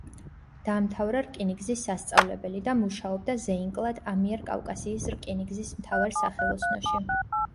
დაამთავრა რკინიგზის სასწავლებელი და მუშაობდა ზეინკლად ამიერკავკასიის რკინიგზის მთავარ სახელოსნოში.